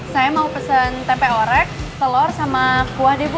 saya mau pesen tempe orek telur sama kuah debu